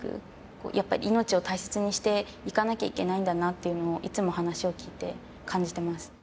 やっぱり命を大切にしていかなきゃいけないんだなっていうのをいつも話を聞いて感じてます。